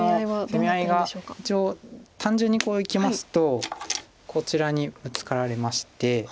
攻め合いが一応単純にいきますとこちらにブツカられまして。